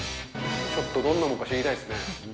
ちょっとどんなものか知りたいですね。